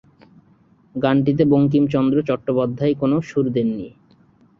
গানটিতে বঙ্কিমচন্দ্র চট্টোপাধ্যায় কোনো সুর দেননি।